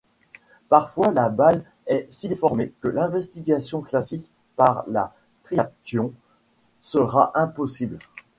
Parfois la balle est si déformée que l'investigation classique par la striation sera impossible.